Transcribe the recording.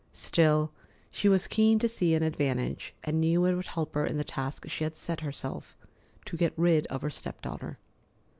Still, she was keen to see an advantage, and knew it would help her in the task she had set herself to get rid of her step daughter.